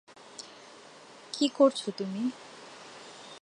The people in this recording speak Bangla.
কী করেছো তুমি?